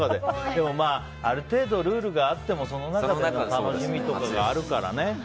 でも、まあある程度ルールがあってもその中でも楽しみとかがあるからね。